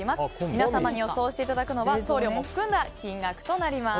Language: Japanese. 皆様に予想していただくのは送料も含んだ金額となります。